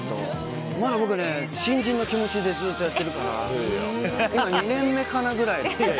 まだ僕ね新人の気持ちでずっとやってるから２年目かなぐらいの。